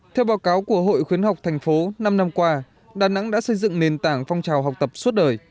theo báo cáo của hội khuyến học thành phố năm năm qua đà nẵng đã xây dựng nền tảng phong trào học tập suốt đời